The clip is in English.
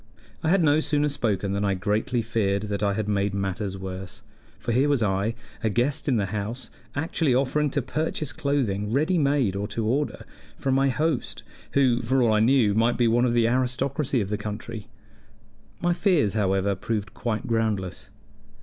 I had no sooner spoken than I greatly feared that I had made matters worse; for here was I, a guest in the house, actually offering to purchase clothing ready made or to to order from my host, who, for all I knew, might be one of the aristocracy of the country. My fears, however, proved quite groundless.